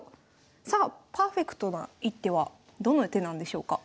さあパーフェクトな一手はどの手なんでしょうか？